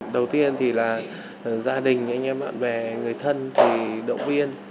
đầu tiên thì là gia đình anh em bạn bè người thân thì động viên